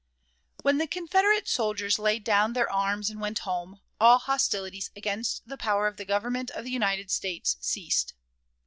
When the Confederate soldiers laid down their arms and went home, all hostilities against the power of the Government of the United States ceased.